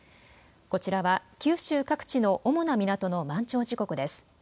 こちらは、九州各地の主な港の満潮時刻です。